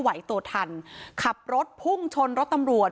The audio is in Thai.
ไหวตัวทันขับรถพุ่งชนรถตำรวจ